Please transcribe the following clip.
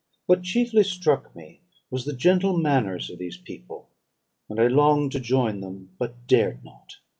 What chiefly struck me was the gentle manners of these people; and I longed to join them, but dared not.